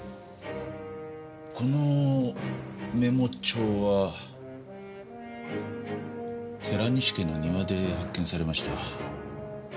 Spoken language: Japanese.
このメモ帳は寺西家の庭で発見されました。